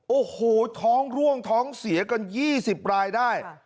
โอ้โหท้องร่วงท้องเสียกัน๒๐รายได้